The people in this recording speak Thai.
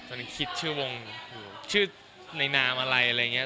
ตอนนี้คิดชื่อวงอยู่ชื่อในนามอะไรอะไรอย่างนี้